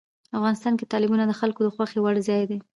افغانستان کې تالابونه د خلکو د خوښې وړ ځای دی.